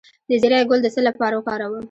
د زیرې ګل د څه لپاره وکاروم؟